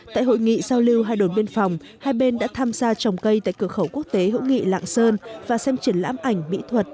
tại hội nghị giao lưu hai đồn biên phòng hai bên đã tham gia trồng cây tại cửa khẩu quốc tế hữu nghị lạng sơn và xem triển lãm ảnh mỹ thuật